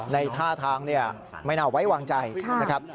ในท่าทางไม่น่าไว้วางใจนะครับ